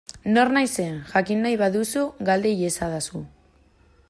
Nor naizen jakin nahi baduzu, galde iezadazu.